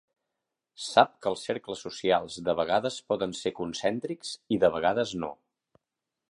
Sap que els cercles socials de vegades poden ser concèntrics i de vegades no.